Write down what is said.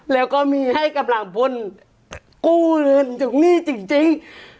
แล้วก็ให้กำลังเพิ่มต้นเงินจริง